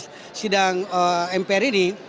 pada sidang mpr ini